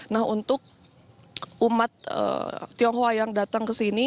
nah untuk umat tionghoa yang datang ke sini